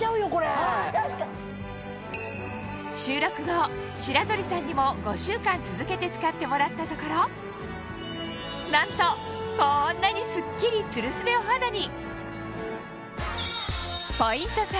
収録後白鳥さんにも５週間続けて使ってもらったところなんとこんなにスッキリツルスベお肌に！